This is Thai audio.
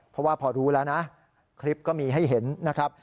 เพราะว่าพอรู้แล้วนะคลิปก็มีให้เห็นนะครับ